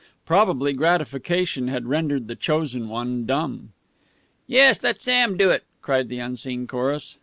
Probably gratification had rendered the chosen one dumb. "Yes, let Sam do it," cried the unseen chorus.